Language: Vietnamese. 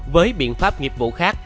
với biện pháp nghiệp vụ khác